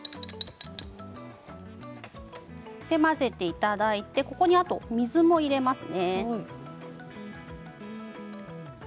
混ぜていただいて、ここに水も入れますね。